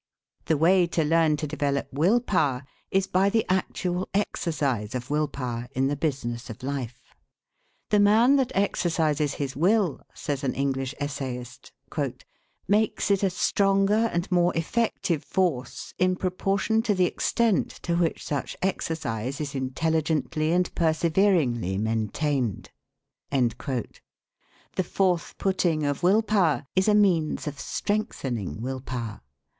The way to learn to develop will power is by the actual exercise of will power in the business of life. "The man that exercises his will," says an English essayist, "makes it a stronger and more effective force in proportion to the extent to which such exercise is intelligently and perseveringly maintained." The forth putting of will power is a means of strengthening will power.